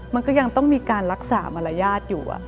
มันก็ยังต้องมีการรักษามารยาทอยู่